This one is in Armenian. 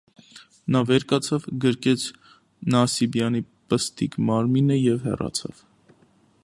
Նա վեր կացավ, գրկեց նասիբյանի պստիկ մարմինը և հեռացրեց: